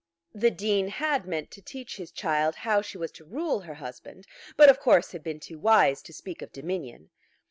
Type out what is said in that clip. The Dean had meant to teach his child how she was to rule her husband, but of course had been too wise to speak of dominion.